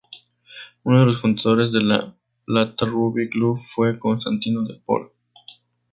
Uno de los fundadores de La Plata Rugby Club fue Constantino De Pol.